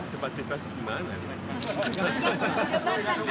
debat bebas dimana ini